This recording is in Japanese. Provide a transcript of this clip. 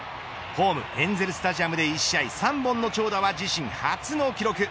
ホーム、エンゼルスタジアムで１試合３本の長打は自身初の記録。